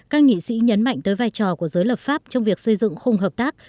các nghị sĩ nhấn mạnh tới vai trò của giới lập pháp trong việc xây dựng khung hợp tác